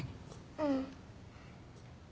うん。